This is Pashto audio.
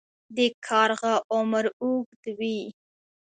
د کارغه عمر اوږد وي